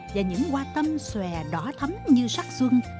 và những hoa tâm xòe đỏ thấm như sắc xuân